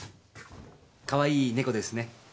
かわいい猫ですね。